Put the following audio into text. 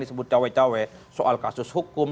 disebut cawe cawe soal kasus hukum